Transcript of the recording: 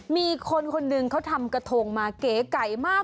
มีคนคนหนึ่งเขาทำกระทงมาเก๋ไก่มาก